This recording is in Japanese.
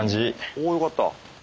およかった。